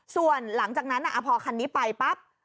ส่วนหลังจากนั้นพอคันนี้ไปปั๊บ